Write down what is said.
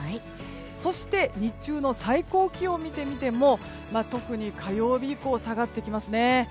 そして日中の最高気温を見てみても特に火曜日以降下がってきますね。